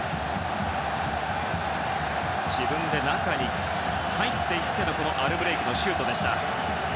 自分で中に入っていってのアルブレイクのシュートでした。